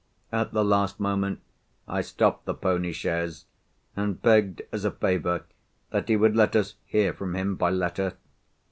At the last moment, I stopped the pony chaise, and begged as a favour that he would let us hear from him by letter.